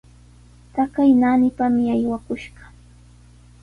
Taqay naanipami aywakushqa.